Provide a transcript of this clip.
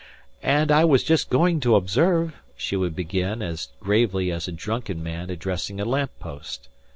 "As I was just going to observe," she would begin, as gravely as a drunken man addressing a lamp post.